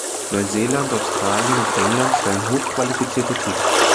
Neuseeland, Australien und England stellen hochqualifizierte Teams.